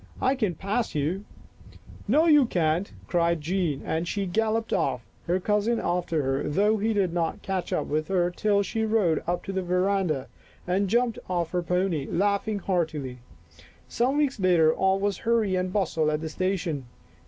" I can pass you !"" No, you can't !" cried Jean, and she gal loped off, her cousin after her, though he did not catch up with her till she rode up to the veranda and jumped off her pony, laughing heartily. Some weeks later all was hurry and bustle at the station.